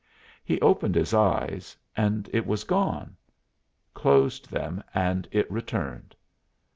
He opened his eyes and it was gone closed them and it returned.